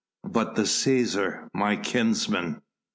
"But the Cæsar ... my kinsman...?"